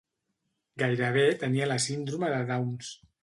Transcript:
Gairebé tenia la síndrome de Downs.